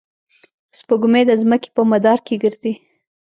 سپوږمۍ د ځمکې په مدار کې ګرځي.